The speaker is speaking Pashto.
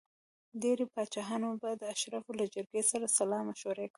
ډېری پاچاهانو به د اشرافو له جرګې سره سلا مشوره کوله.